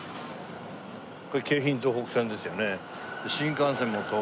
これ京浜東北線ですよね。